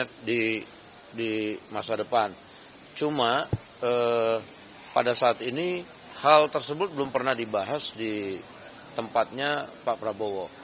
karena pada saat ini hal tersebut belum pernah dibahas di tempatnya pak prabowo